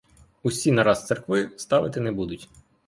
Усі нараз церкви ставити не будуть.